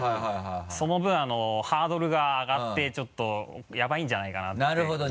その分ハードルが上がってちょっとヤバイんじゃないかなっていうことです。